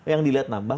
yang dilihat nambah